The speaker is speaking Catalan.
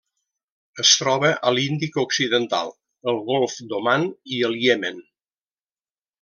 Es troba a l'Índic occidental: el golf d'Oman i el Iemen.